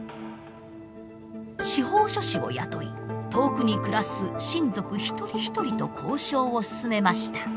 司法書士を雇い遠くに暮らす親族一人一人と交渉を進めました。